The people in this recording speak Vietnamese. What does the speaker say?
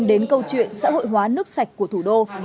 đến câu chuyện xã hội hóa nước sạch của thủ đô